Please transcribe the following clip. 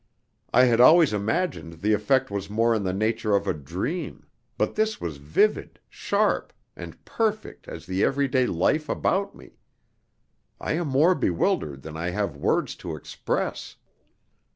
I had always imagined the effect was more in the nature of a dream, but this was vivid, sharp, and perfect as the everyday life about me. I am more bewildered than I have words to express."